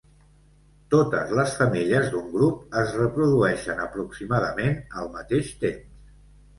Totes les femelles d'un grup es reprodueixen aproximadament al mateix temps.